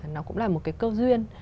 nó cũng là một cái câu duyên